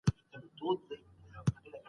انسان بايد خپل عزت په خبرو او عمل کي وساتي.